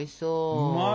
うまい。